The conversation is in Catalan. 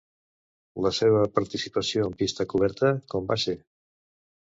La seva participació en pista coberta com va ser?